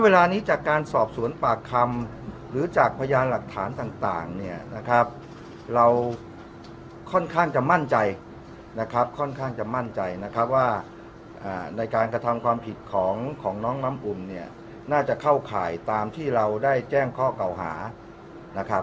เวลานี้จากการสอบสวนปากคำหรือจากพยานหลักฐานต่างเนี่ยนะครับเราค่อนข้างจะมั่นใจนะครับค่อนข้างจะมั่นใจนะครับว่าในการกระทำความผิดของน้องน้ำอุ่นเนี่ยน่าจะเข้าข่ายตามที่เราได้แจ้งข้อเก่าหานะครับ